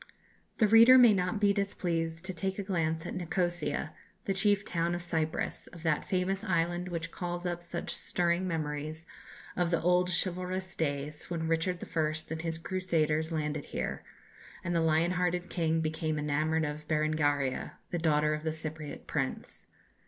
The reader may not be displeased to take a glance at Nikosia, the chief town of Cyprus of that famous island which calls up such stirring memories of the old chivalrous days when Richard I. and his Crusaders landed here, and the lion hearted king became enamoured of Berengaria, the daughter of the Cypriot prince.